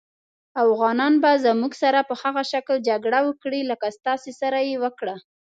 افغانان به زموږ سره په هغه شکل جګړه وکړي لکه ستاسې سره یې وکړه.